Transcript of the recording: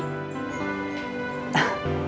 kita duduk aja dulu ya